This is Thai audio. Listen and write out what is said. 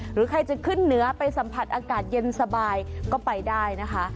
หรือใครจะขึ้นเหนือไปสัมผัสอากาศเย็นสบายก็ไปได้นะคะ